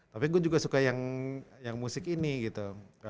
tapi gue juga suka yang musik ini gitu